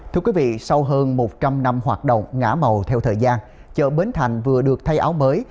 thưa quý vị sau hơn một trăm linh năm hoạt động ngã màu theo thời gian chợ bến thành vừa được thay áo mới